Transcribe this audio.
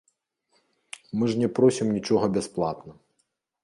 Мы ж не просім нічога бясплатна.